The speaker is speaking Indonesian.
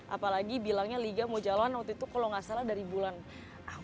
apalagi bilangnya liga mau jalan waktu itu kalau nggak salah dari bulan agustus